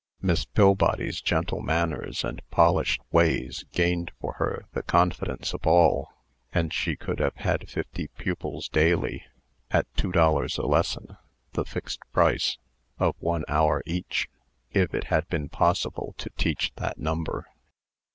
Miss Pillbody's gentle manners and polished ways gained for her the confidence of all; and she could have had fifty pupils daily, at two dollars a lesson (the fixed price), of one hour each, if it had been possible to teach that number.